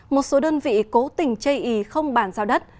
một số đơn vị cố tình chây ý không bản giao đất